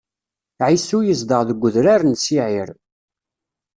Ɛisu yezdeɣ deg udrar n Siɛir.